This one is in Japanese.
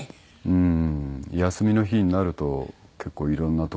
うん。